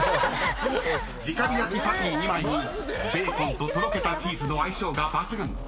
［じか火焼きパティ２枚にベーコンととろけたチーズの相性が抜群］